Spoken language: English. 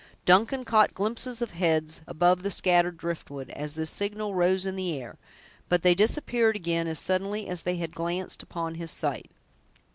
Duncan caught glimpses of heads above the scattered drift wood, as this signal rose on the air, but they disappeared again as suddenly as they had glanced upon his sight.